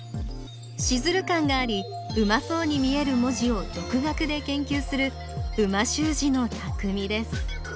シズル感がありうまそうに見える文字を独学で研究する美味しゅう字のたくみです